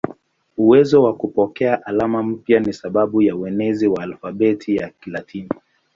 Uwezo wa kupokea alama mpya ni sababu ya uenezi wa alfabeti ya Kilatini.